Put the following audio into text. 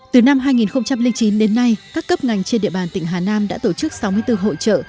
từ năm hai nghìn chín đến nay các cấp ngành trên địa bàn tỉnh hà nam đã tổ chức sáu mươi bốn hội trợ